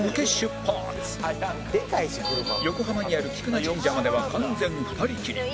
横浜にある菊名神社までは完全２人きり